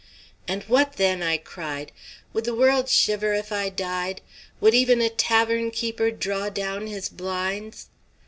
"And what then?" I cried. "Would the world shiver if I died? Would even a tavern keeper draw down his blinds?